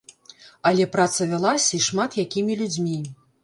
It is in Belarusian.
Але праца вялася, і шмат якімі людзьмі.